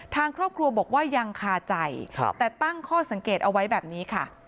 ทางครอบครัวบอกว่ายังคาใจแต่ตั้งข้อสังเกตเอาไว้แบบนี้ค่ะ